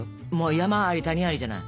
山あり谷ありじゃない。